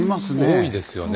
多いですよね。